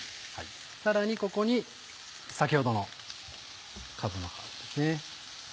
さらにここに先ほどのかぶの葉ですね。